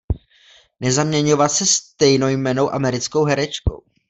Nezaměňovat se stejnojmennou americkou herečkou.